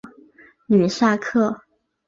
吕萨克。